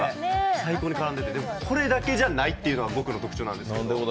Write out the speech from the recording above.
最高に絡んでて、でもこれだけじゃないというのが特徴なんです。